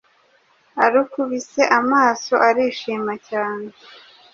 Arukubise amaso arishima cyane,